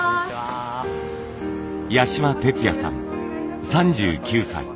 八島哲也さん３９歳。